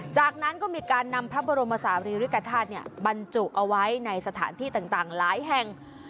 จากนั้นก็มีการนำพระบรมศาลีริกฐาตุบรรจุเอาไว้ในสถานที่ต่างหลายแห่ง